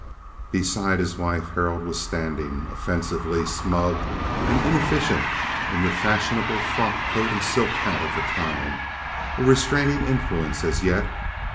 Beside his wife Harold was standing, offensively smug and inefficient in the fashionable frock coat and silk hat of the time, a restraining influence as yet.